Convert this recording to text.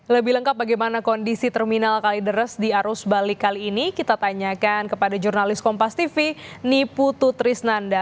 lebih lengkap bagaimana kondisi terminal kalideres di arus balik kali ini kita tanyakan kepada jurnalis kompas tv niputu trisnanda